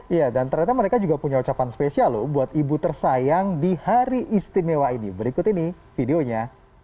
iya dan ternyata mereka juga punya ucapan spesial loh buat ibu tersayang di hari istimewa ini berikut ini videonya